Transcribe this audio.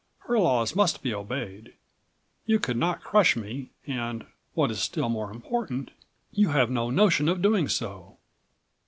Her laws must be obeyed. You could not crush me and, what is still more important, you have no notion of doing so."